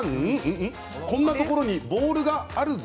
こんなところにボールがあるぞ。